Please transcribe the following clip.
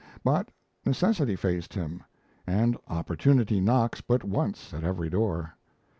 But necessity faced him; and opportunity knocks but once at every door.